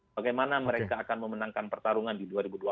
bagaimana mereka akan memenangkan pertarungan di dua ribu dua puluh empat